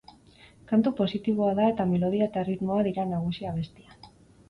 Kantu positiboa da eta melodia eta erritmoa dira nagusi abestian.